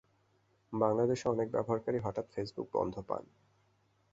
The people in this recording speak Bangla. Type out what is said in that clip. বাংলাদেশের অনেক ব্যবহারকারী হঠাৎ ফেসবুক বন্ধ পান।